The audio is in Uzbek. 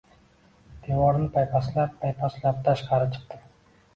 Devorni paypaslab-paypaslab tashqari chiqdim.